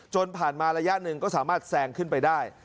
ผ่านมาระยะหนึ่งก็สามารถแซงขึ้นไปได้